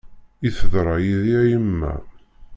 I teḍra yid-i a yemma.